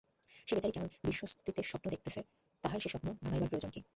সে বেচারি কেমন বিশ্বস্তচিত্তে স্বপ্ন দেখিতেছে, তাহার সে স্বপ্ন ভাঙাইবার প্রয়োজন কী।